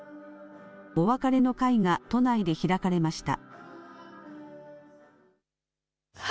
お別れの会が都内で開かれました。